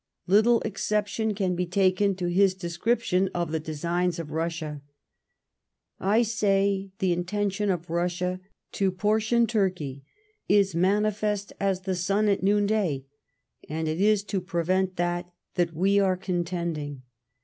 Little excep tion can be taken to his description of the designs of Bussia :— I say the intention of Rnsaia to portion Turkey is manifest as the sun at noon day, and it is to prevent that that we are contending.